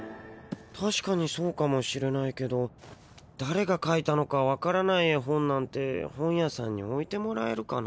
たしかにそうかもしれないけどだれがかいたのかわからない絵本なんて本屋さんにおいてもらえるかな？